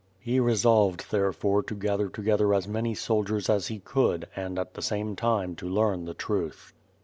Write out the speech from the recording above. He re solved therefore to gather together as many soldiers as he could and at the same time to learn the truth.